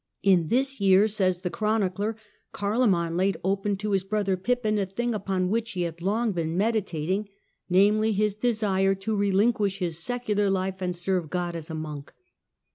" In this year," says the chronic ler, " Carloman laid open to his brother Pippin a thing upon which he had long been meditating, namely, his desire to relinquish his secular life and serve God as a monk."